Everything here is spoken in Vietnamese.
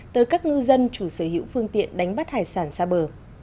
tới các ngư dân chủ sở hữu phương tiện đánh bắt hải sản xa bờ